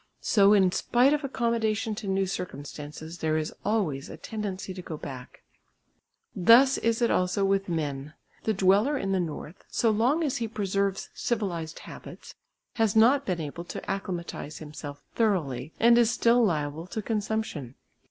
So in spite of accommodation to new circumstances there is always a tendency to go back. Thus is it also with men. The dweller in the north, so long as he preserves civilised habits, has not been able to acclimatise himself thoroughly, and is still liable to consumption.